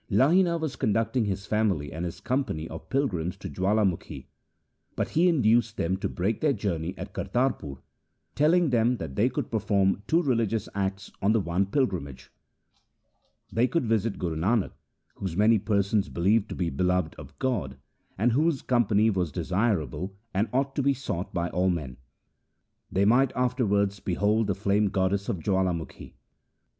Lahina was conducting his family and his com pany of pilgrims to Jawalamukhi, but he induced them to break their journey at Kartarpur, telling them that they could perform two religious acts on the one pilgrimage. They could visit Guru Nanak, whom many persons believed to be beloved of God, and whose holy company was desirable and ought to be sought by all men. They might afterwards behold the flame goddess of Jawalamukhi.